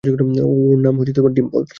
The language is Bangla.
ওর নাম ডিম্পল।